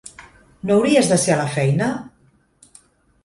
No hauries de ser a la feina?